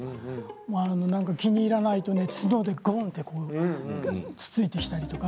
何か、気に入らないと角でごんと突いてきたりとか。